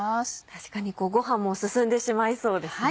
確かにご飯も進んでしまいそうですね。